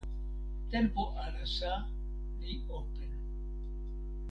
tenpo alasa li open.